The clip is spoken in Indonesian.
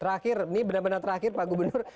terakhir ini benar benar terakhir pak gubernur